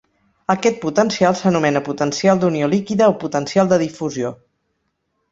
Aquest potencial s'anomena potencial d'unió líquida o potencial de difusió.